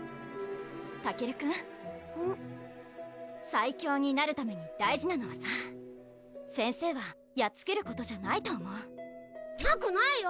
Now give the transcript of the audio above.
最強になるために大事なのはさ先生はやっつけることじゃないと思うなくないよ！